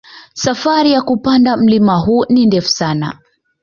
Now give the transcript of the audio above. Safari ya kupanda mlima huu ni ndefu sana